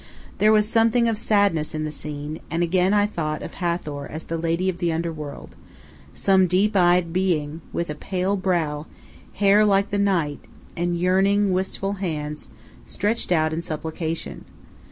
There was something of sadness in the scene, and again I thought of Hathor as the "Lady of the Underworld," some deep eyed being, with a pale brow, hair like the night, and yearning, wistful hands stretched out in supplication.